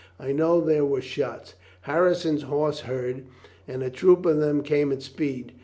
I know there were shots. Harrison's horse heard and a troop of them came at speed.